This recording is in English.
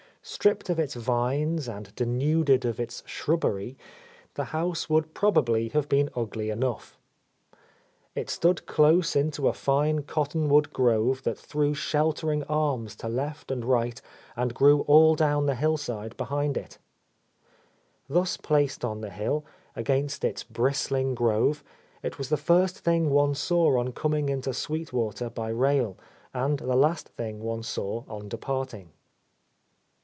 Stripped of Its vines and de A Lost Lady nuded of its shrubbery, the house would probably have been ugly enough. It stood close into a fine cottonwood grove that threw sheltering arms to left and right and grew all down the hillside behind it. Thus placed on the hill, against its bristling grove, it was the first thing one saw on coming into Sweet Water by rail, and the last thing one saw on departing.